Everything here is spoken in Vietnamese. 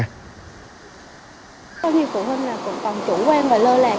có nhiều phụ huynh là cũng còn chủ quan và lơ là